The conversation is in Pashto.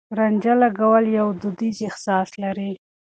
رانجه لګول يو دوديز احساس لري.